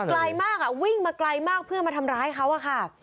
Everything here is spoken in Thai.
ไกลมากวิ่งมาไกลมากเพื่อมาทำร้ายเขาอะค่ะ